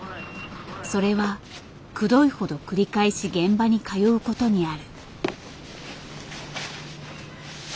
それはくどいほど繰り返し現場に通うことにある。